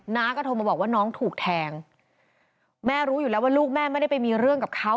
น้าก็โทรมาบอกว่าน้องถูกแทงแม่รู้อยู่แล้วว่าลูกแม่ไม่ได้ไปมีเรื่องกับเขา